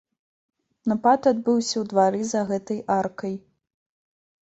Напад адбыўся ў двары за гэтай аркай.